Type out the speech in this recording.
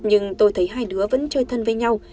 nhưng tôi thấy hai đứa vẫn chơi thân với nhau